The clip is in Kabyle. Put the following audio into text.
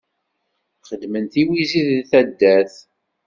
Xedmen tiwizi di taddart